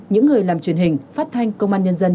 những người làm truyền hình phát thanh công an nhân dân